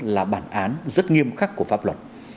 là bản án rất nghiêm khắc của pháp luật